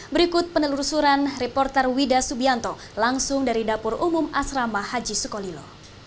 berikut penelusuran reporter wida subianto langsung dari dapur umum asrama haji sukolilo